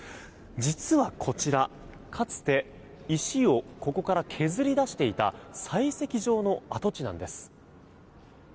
実はこちら、かつて石をここから削り出していた採石場の跡地なんです。